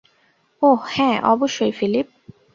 ওহ, হ্যাঁ, অবশ্যই, ফিলিপ।